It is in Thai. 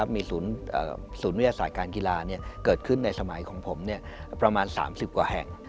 มีศูนย์วิทยาศาสตร์การกีฬาเกิดขึ้นในสมัยของผมประมาณ๓๐กว่าแห่ง